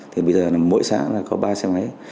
thì bây giờ mỗi xã có ba xe máy